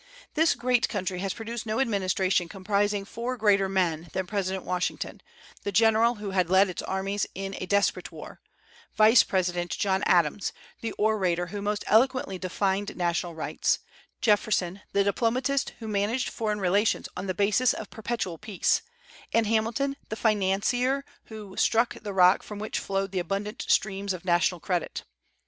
This great country has produced no administration comprising four greater men than President Washington, the general who had led its armies in a desperate war; Vice President John Adams, the orator who most eloquently defined national rights; Jefferson, the diplomatist who managed foreign relations on the basis of perpetual peace; and Hamilton, the financier who "struck the rock from which flowed the abundant streams of national credit."